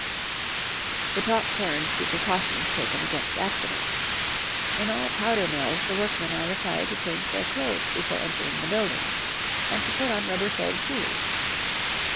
The talk turned to precautions taken against accidents. In all powder mills the workmen are required to change their clothes before entering the buildings, and to put on rubber soled shoes.